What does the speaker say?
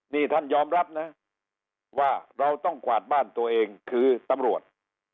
นี่ท่านยอมรับนะว่าเราต้องกวาดบ้านตัวเองคือตำรวจ